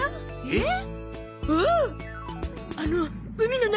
えっ？